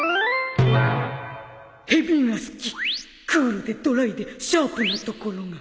蛇が好きクールでドライでシャープなところが